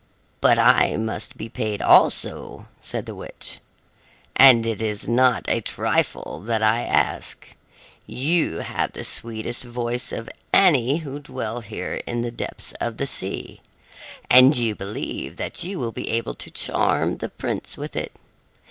"But I must be paid, also," said the witch, "and it is not a trifle that I ask. You have the sweetest voice of any who dwell here in the depths of the sea, and you believe that you will be able to charm the prince with it.